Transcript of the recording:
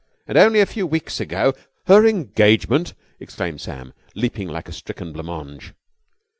And only a few weeks ago...." "Her engagement!" exclaimed Sam, leaping like a stricken blanc mange.